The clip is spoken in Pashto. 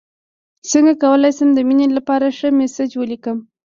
څنګه کولی شم د مینې لپاره ښه میسج ولیکم